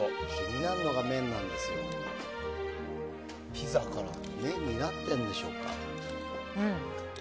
ピザから麺になってるんでしょうか。